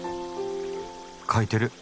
書いてる。